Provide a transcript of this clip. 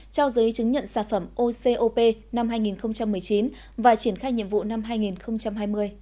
trao giấy chứng nhận sản phẩm ocop năm hai nghìn một mươi chín và triển khai nhiệm vụ năm hai nghìn hai mươi